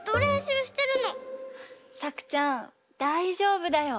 さくちゃんだいじょうぶだよ。